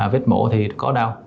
vết mổ thì có đau